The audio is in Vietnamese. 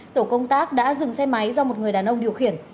tổ công tác đã dừng xe máy do một người đàn ông điều khiển